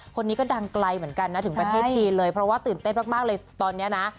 คนนี้ก็ดังไกลเหมือนกันนะถึงประเทศจีนเลยเพราะว่าตื่นเต้นมากเลยตอนนี้นะ